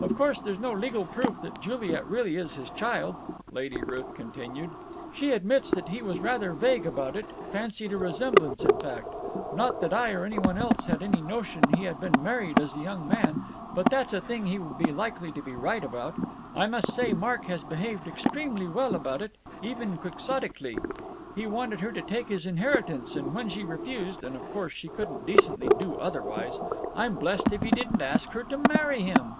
Of course there's no legal proof that Juliet really is his child," Lady Ruth continued; "she admits that he was rather vague about it, fancied a resemblance, in fact. Not that I or anyone else had any notion he had been married as a young man, but that's a thing he would be likely to be right about. I must say Mark has behaved extremely well about it, even quixotically. He wanted her to take his inheritance, and when she refused and of course she couldn't decently do otherwise I'm blessed if he didn't ask her to marry him."